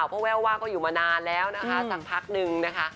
เพราะแววว่าก็อยู่มานานแล้วนะคะ